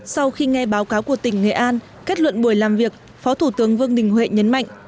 sau khi nghe báo cáo của tỉnh nghệ an kết luận buổi làm việc phó thủ tướng vương đình huệ nhấn mạnh